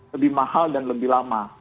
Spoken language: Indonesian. lebih mahal dan lebih lama